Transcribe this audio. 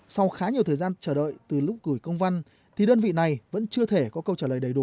sau khá nhiều thời gian chờ đợi từ lúc gửi công văn thì đơn vị này vẫn chưa thể có câu trả lời đầy đủ